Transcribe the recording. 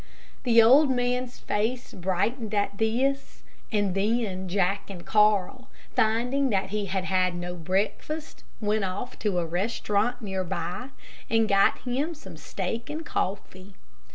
The old man's face brightened at this, and then Jack and Carl, finding that he had had no breakfast, went off to a restaurant near by, and got him some steak and coffee.